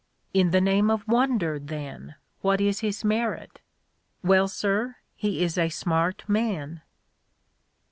'In the name of wonder, then, what is his merit?' '"Well, sir, he is a smart man.'